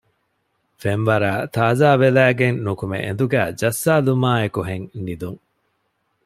ފެންވަރައި ތާޒާވެލައިގެން ނުކުމެ އެނދުގައި ޖައްސާލުމާއެކުހެން ނިދުން